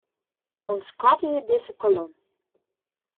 Untskoattelje dizze kolom.